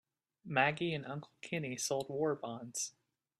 Maggie and Uncle Kenny sold war bonds.